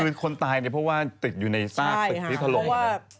คือคนตายเพราะว่าติดอยู่ในซากสิทธิธรรมอะไรแบบนี้